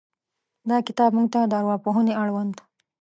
دا کتاب موږ ته د ارواپوهنې اړوند